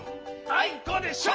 あいこでしょ！